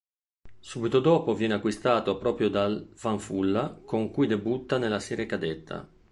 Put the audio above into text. Subito dopo viene acquistato proprio dal Fanfulla, con cui debutta nella serie cadetta.